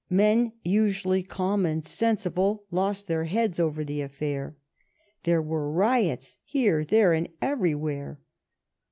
Men usually calm and sensible lost their heads over the affair. There were riots here, there, and everywhere.